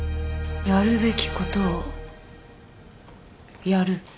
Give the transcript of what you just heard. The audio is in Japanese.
やるべきことをやる？